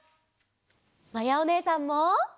まやおねえさんも。